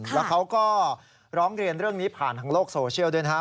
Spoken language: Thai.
แล้วเขาก็ร้องเรียนเรื่องนี้ผ่านทางโลกโซเชียลด้วยนะครับ